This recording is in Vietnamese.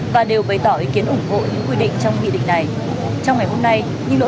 và đều bày tỏ ý kiến ủng hộ những quy định trong nghị định này